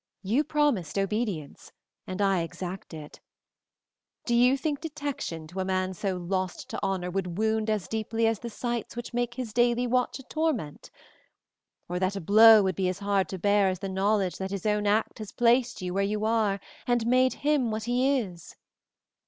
You promised obedience and I exact it. Do you think detection to a man so lost to honor would wound as deeply as the sights which make his daily watch a torment? Or that a blow would be as hard to bear as the knowledge that his own act has placed you where you are and made him what he is?